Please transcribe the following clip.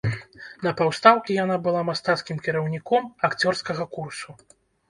На паўстаўкі яна была мастацкім кіраўніком акцёрскага курсу.